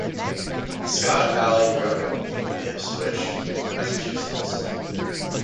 Scott Allie grew up in Ipswich, Massachusetts.